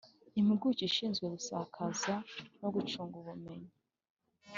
Impuguke ishinzwe gusakaza no gucunga ubumenyi